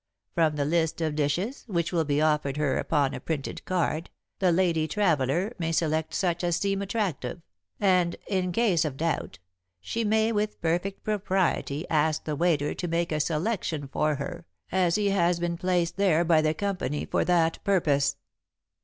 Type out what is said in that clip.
From the list of dishes which will be offered her upon a printed card, the lady traveller may select such as seem attractive, and, in case of doubt, she may with perfect propriety ask the waiter to make a selection for her, as he has been placed there by the company for that purpose.